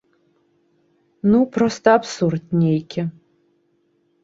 Ну, проста абсурд нейкі.